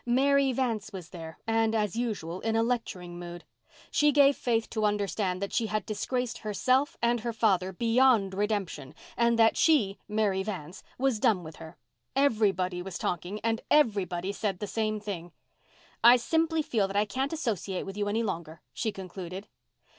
Mary Vance was there and, as usual, in a lecturing mood. She gave Faith to understand that she had disgraced herself and her father beyond redemption and that she, Mary Vance, was done with her. "Everybody" was talking, and "everybody" said the same thing. "I simply feel that I can't associate with you any longer," she concluded.